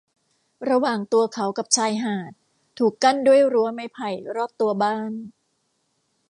ระหว่างตัวเขากับชายหาดถูกกั้นด้วยรั้วไม้ไผ่รอบตัวบ้าน